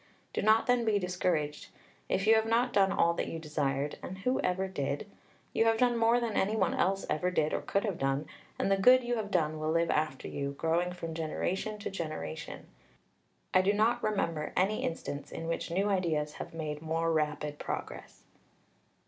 Do not then be discouraged. If you have not done all that you desired and who ever did? you have done more than any one else ever did or could have done, and the good you have done will live after you, growing from generation to generation. I do not remember any instance in which new ideas have made more rapid progress."